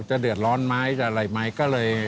เดือดร้อนไหมจะอะไรไหมก็เลย